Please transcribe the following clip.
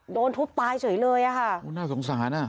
โดนทุบตายเฉยเลยค่ะน่าสงสารน่ะ